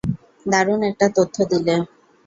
দারুণ একটা তথ্য দিলে।